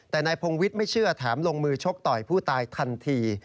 แต่นายพงวิทย์ไม่เชื่อแถมลงมือชกต่อยผู้ตายทันที